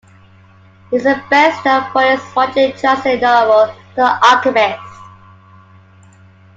He is best known for his widely translated novel "The Alchemist".